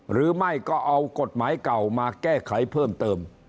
หรือไม่ก็เอากฎหมายเก่ามาแก้ไขเพิ่มเติม